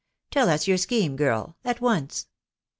Tell us your scheme, girl, at once."